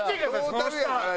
「トータルやから」